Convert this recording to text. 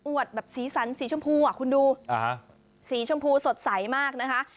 แบบสีสันสีชมพูอ่ะคุณดูสีชมพูสดใสมากนะคะ